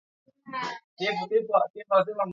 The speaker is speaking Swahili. Mbuzi na twiga pia hupata ugonjwa wa kupinda shingo